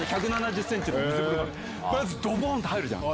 ドボン！って入るじゃん